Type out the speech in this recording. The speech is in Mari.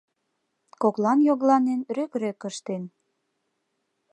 Коклан, йогыланен, рӧк-рӧк ыштен.